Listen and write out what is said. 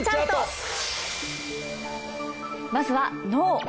まずは脳。